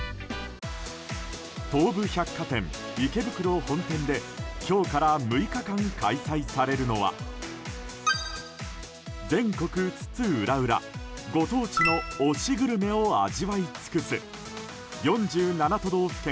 東武百貨店池袋本店で今日から６日間開催されるのは全国津々浦々、ご当地の推しグルメを味わい尽くす４７都道府県